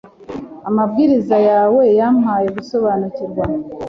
Amabwiriza yawe yampaye gusobanukirwa